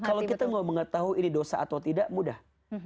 dan kalau kita mau mengetahui ini dosa atau tidak mudah